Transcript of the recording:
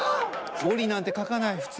「ゴリ」なんて書かない普通。